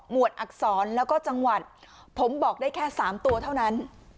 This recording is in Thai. วดอักษรแล้วก็จังหวัดผมบอกได้แค่๓ตัวเท่านั้น